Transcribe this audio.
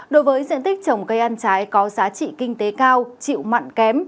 đối với diện tích trồng cây ăn trái có giá trị kinh tế cao chịu mặn kém